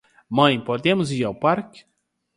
Mãe podemos ir ao parque?